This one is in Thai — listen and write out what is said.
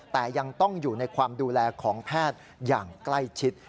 แต่ยังต้องอยู่ในความดูแลของแพทย์อย่างใกล้ชิด